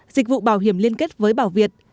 dịch vụ bảo hiểm liên kết với bảo việt